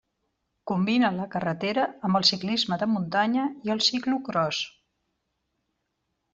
Combina la carretera amb el ciclisme de muntanya i el ciclocròs.